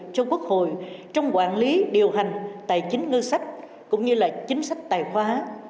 cho quốc hội trong quản lý điều hành tài chính ngư sách cũng như là chính sách tài hóa